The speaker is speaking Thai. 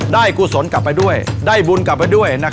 กุศลกลับไปด้วยได้บุญกลับไปด้วย